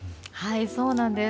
そうなんです。